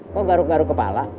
kok garuk garuk kepala